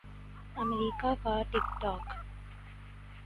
امریکا کا ٹک ٹاک